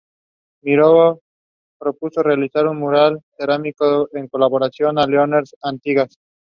It was presented during the university’s alumni weekend.